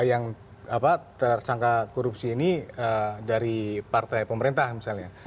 yang tersangka korupsi ini dari partai pemerintah misalnya